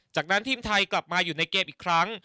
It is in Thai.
จากนั้นทีมไทยกลับมาอยู่ในเกมอีกครั้ง